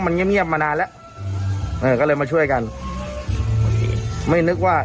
มันเงียบเงียบมานานแล้วเออก็เลยมาช่วยกันไม่นึกว่า